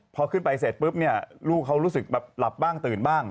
พอขึ้นไปเสร็จปุ๊บเนี่ยลูกเขารู้สึกแบบหลับบ้างตื่นบ้าง